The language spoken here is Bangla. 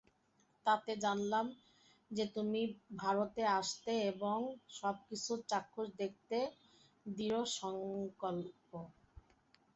তাতে জানলাম যে, তুমি ভারতে আসতে এবং সব কিছু চাক্ষুষ দেখতে দৃঢ়সঙ্কল্প।